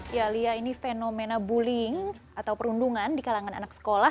ya lia ini fenomena bullying atau perundungan di kalangan anak sekolah